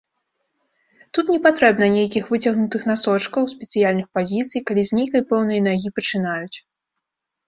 Тут непатрэбна нейкіх выцягнутых насочкаў, спецыяльных пазіцый, калі з нейкай пэўнай нагі пачынаюць.